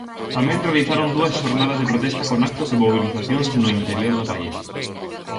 Tamén realizaron dúas xornadas de protesta con actos e mobilizacións no interior do país.